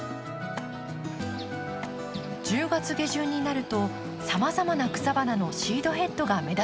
１０月下旬になるとさまざまな草花のシードヘッドが目立つように。